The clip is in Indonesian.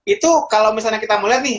itu kalau misalnya kita mulai nih